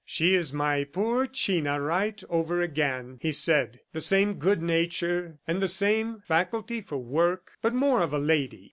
"She is my poor China right over again," he said, "the same good nature, and the same faculty for work, but more of a lady."